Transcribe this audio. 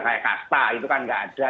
kayak kasta itu kan nggak ada